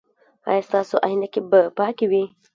ایا ستاسو عینکې به پاکې وي؟